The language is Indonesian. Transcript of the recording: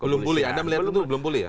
belum pulih anda melihat itu belum pulih ya